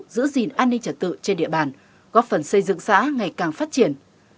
giữ gìn an ninh trật tự trên địa bàn góp phần xây dựng xã ngày càng phát triển